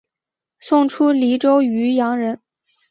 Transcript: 宋初蓟州渔阳人。